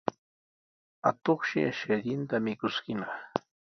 Atuqshi ashkallanta mikuskinaq.